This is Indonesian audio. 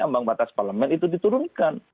ambang batas parlemen itu diturunkan